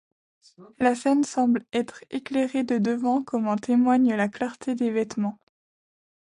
La scène semble être éclairée de devant comme en témoigne la clarté des vêtements.